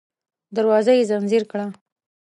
دروازه يې ځنځير کړه.